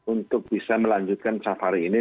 untuk bisa melanjutkan safari ini